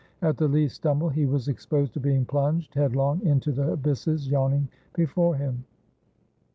At the least stumble he was exposed to being plunged headlong into the abysses yawning before him.